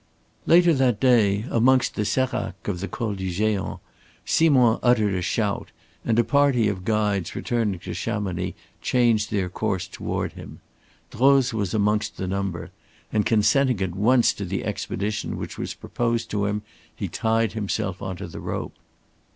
Later during that day amongst the séracs of the Col du Géant, Simond uttered a shout, and a party of guides returning to Chamonix changed their course toward him. Droz was amongst the number, and consenting at once to the expedition which was proposed to him, he tied himself on to the rope.